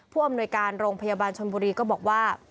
อำนวยการโรงพยาบาลชนบุรีก็บอกว่า